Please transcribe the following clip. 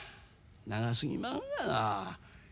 長すぎまんがな。